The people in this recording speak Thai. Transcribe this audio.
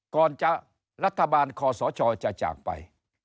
ก่อนจะรัฐบาลคอสชจะจากไป